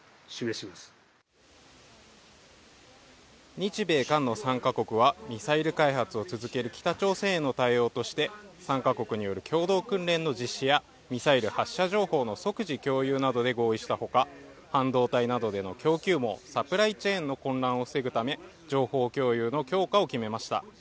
日米韓の３か国はミサイル開発を続ける北朝鮮への対応として３か国による共同訓練の実施やミサイル発射情報の即時共有などで合意したほか、半導体などでの供給網＝サプライチェーンの混乱を防ぐため情報共有の強化を決めました。